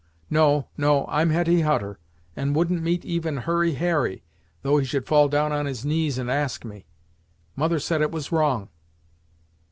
No, no; I'm Hetty Hutter, and wouldn't meet even Hurry Harry, though he should fall down on his knees and ask me! Mother said it was wrong."